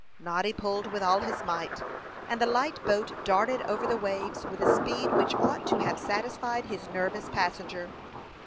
Noddy pulled with all his might, and the light boat darted over the waves with a speed which ought to have satisfied his nervous passenger.